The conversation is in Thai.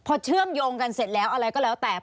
พอเชื่อมโยงกันเสร็จแล้วอะไรก็แล้วแต่